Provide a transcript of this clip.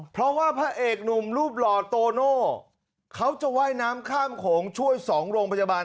เพราะว่าพระเอกหนุ่มรูปหล่อโตโน่เขาจะว่ายน้ำข้ามโขงช่วย๒โรงพยาบาล